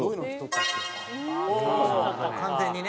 完全にね。